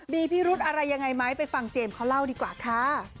มีพิรุธอะไรยังไงไหมไปฟังเจมส์เขาเล่าดีกว่าค่ะ